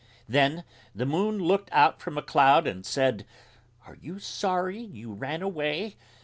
Then the Moon looked out from a cloud and said: "Are you sorry you ran away?